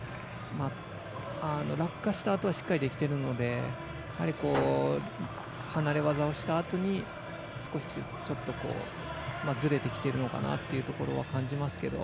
落下したあとはしっかりできてるのでやはり離れ技をしたあとに少し、ずれてきているのかなというところは感じますけど。